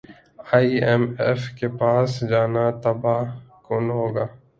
ئی M F کے پاس جانا تباہ کن ہوگا